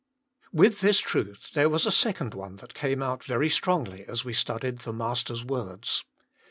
With this truth there was a second one that came out very strongly as we studied the Master s words.